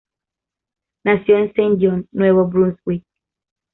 Nació en Saint John, Nuevo Brunswick.